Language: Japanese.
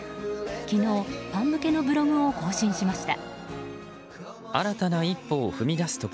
昨日、ファン向けのブログを更新しました。